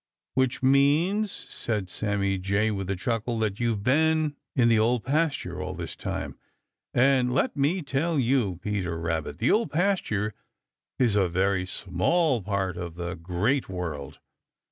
"Which means," said Sammy Jay with a chuckle, "that you've been in the Old Pasture all this time, and let me tell you, Peter Rabbit, the Old Pasture is a very small part of the Great World.